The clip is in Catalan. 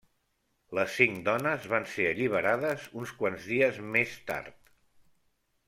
Les cinc dones van ser alliberades uns quants dies més tard.